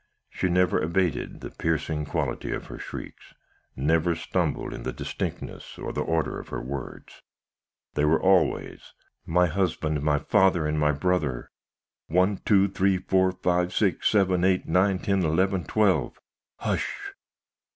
She never abated the piercing quality of her shrieks, never stumbled in the distinctness or the order of her words. They were always 'My husband, my father, and my brother! One, two, three, four, five, six, seven, eight, nine, ten, eleven, twelve. Hush!'